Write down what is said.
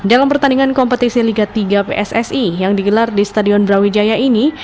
dalam pertandingan kompetisi liga tiga pssi yang digelar di stadion brawijaya ini